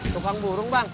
tukang burung bang